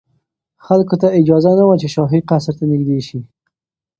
خلکو ته اجازه نه وه چې شاهي قصر ته نږدې شي.